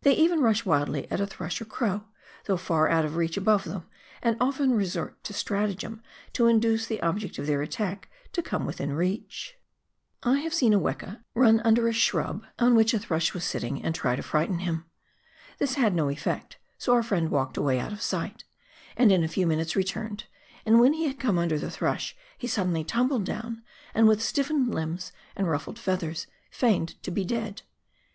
They even rush wildly at a thrush or crow, though far out of reach above them, and often resort to stratagem to induce the object of their attack to come within reach. I have seen a weka run under a shrub on which a thrush was 3S PIONEER WORK IN THE ALPS OF NEW ZEALAND. sitting, and try to frighten him. This had no effect, so our friend walked away out of sight, and in a few minutes re turned, and when he had come under the thrush, he suddenly tumbled down, and with stiffened limbs and ruffled feathers feigned to be dead.